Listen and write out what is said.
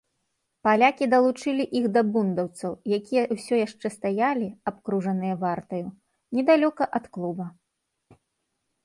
Палякі далучылі іх да бундаўцаў, якія ўсё яшчэ стаялі, абкружаныя вартаю, недалёка ад клуба.